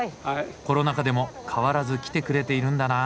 コロナ禍でも変わらず来てくれているんだなあ。